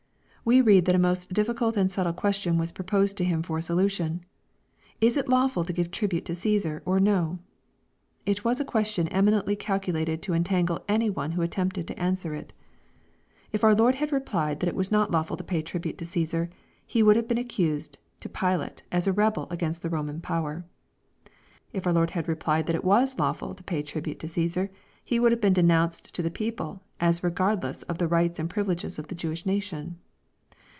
We read that a most difficult and subtle question was proposed to Him for solution. " Is it lawful to give tribute to CsBsar or no ?" It was a question eminently calculated to entangle any one who attempted to answer it. If our Lord had replied that it was not lawful to pay tribute to CsBsar, He would have been accused to Pilate as a rebel against the Eoman power. If our Lord had replied that it was lawful to pay tribute to CsBsar, He would have been denounced to the people as regardless of the rights and privileges of the Jewish nation.